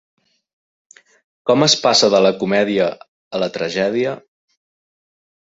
Com es passa de la comèdia a la tragèdia?